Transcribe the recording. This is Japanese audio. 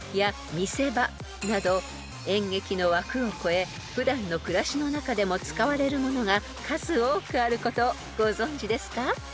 ［演劇の枠を超え普段の暮らしの中でも使われるものが数多くあることをご存じですか？］